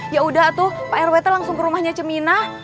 yaudah tuh pak rwt langsung ke rumahnya cemina